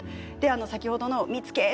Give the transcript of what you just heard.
先ほどの見つけえ！